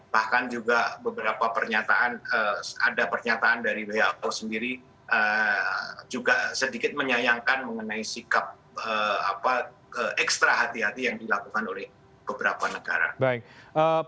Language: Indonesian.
bahkan juga beberapa pernyataan ada pernyataan dari who sendiri juga sedikit menyayangkan mengenai sikap ekstra hati hati yang dilakukan oleh beberapa negara